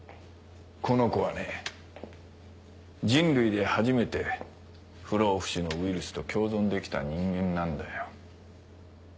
この子はね人類で初めて不老不死のウイルスと共存できた人間なんだよ。